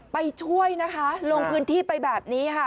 ไปช่วยนะคะลงพื้นที่ไปแบบนี้ค่ะ